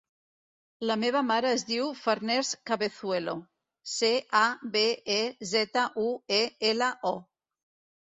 La meva mare es diu Farners Cabezuelo: ce, a, be, e, zeta, u, e, ela, o.